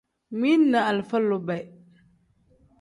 Mili ni alifa lube.